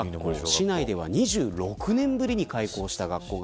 市内では２６年ぶりに開校しました。